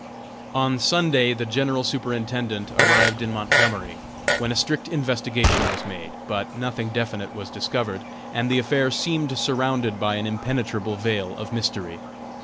On Sunday the General Superintendent arrived in Montgomery, when a strict investigation was made, but nothing definite was discovered, and the affair seemed surrounded by an impenetrable veil of mystery.